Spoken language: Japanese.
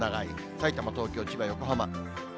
さいたま、東京、千葉、横浜。